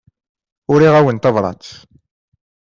Uriɣ-awen tabrat.